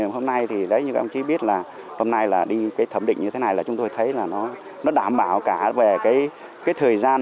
hôm nay thì đấy như các ông chí biết là hôm nay là đi cái thẩm định như thế này là chúng tôi thấy là nó đảm bảo cả về cái thời gian